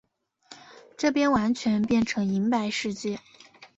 这边完全变成银白世界